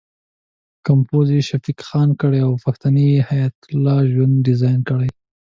کمپوز یې شفیق خان کړی او پښتۍ یې حیات الله ژوند ډیزاین کړې.